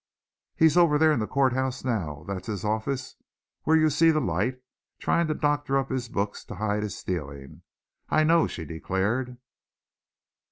"He's over there in the courthouse now that's his office where you see the light trying to doctor up his books to hide his stealing, I know," she declared.